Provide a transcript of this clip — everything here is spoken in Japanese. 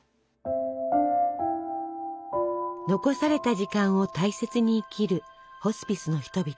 残された時間を大切に生きるホスピスの人々。